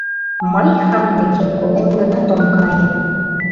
Мый хан деке, колем гынат, ом кае!